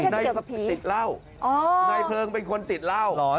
ไม่ได้เกี่ยวกับผีในเพลิงเป็นคนติดเหล้า